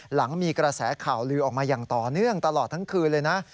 หลังมีกระแสข่าวลือออกมาอย่างต่อเนื่องตลอดทั้งคืนเลยนะ